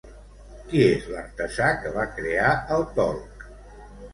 Qui és l'artesà que va crear el Tolc?